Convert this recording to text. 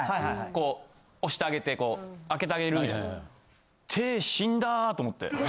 こう押してあげてこう開けてあげるみたいな。と思って。